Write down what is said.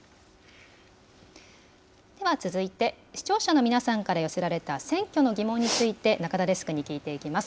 では続いて、視聴者の皆さんから寄せられた選挙のギモンについて、中田デスクに聞いていきます。